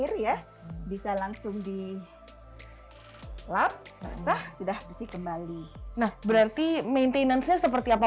kita enggak khawatir ya bisa langsung di lap sudah bersih kembali nah berarti maintenance seperti apa